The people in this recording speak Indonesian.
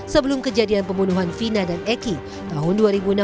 sebelum kejadian pembunuhan vina dan eki tahun dua ribu enam belas